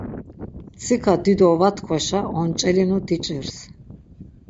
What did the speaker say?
Mtsika dido va tkvaşa onç̌elinu diç̌irs.